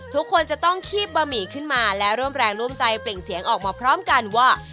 ทุกคนจะต้องคีบบะหมี่ขึ้นมาและร่วมแรงร่วมใจเปล่งเสียงออกมาพร้อมกันว่า